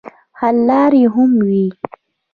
حل لارې هم وي.